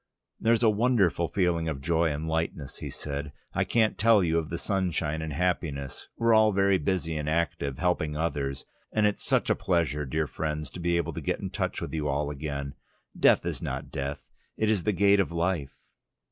"There's a wonderful feeling of joy and lightness," he said. "I can't tell you of the sunshine and happiness. We're all very busy and active, helping others. And it's such a pleasure, dear friends, to be able to get into touch with you all again. Death is not death: it is the gate of life..."